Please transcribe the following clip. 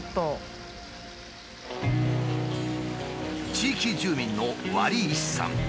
地域住民の割石さん。